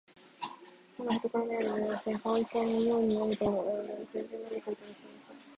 まだへこたれたようすは見えません。顔いっぱいにみょうなにが笑いをうかべて、何かいいだしました。